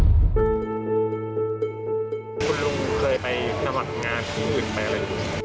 คุณลุงเคยไปนอนงานที่อื่นไปอะไรไหม